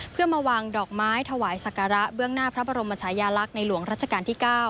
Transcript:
เพื่อมาวางดอกไม้ถวายสักการะเบื้องหน้าพระบรมชายาลักษณ์ในหลวงรัชกาลที่๙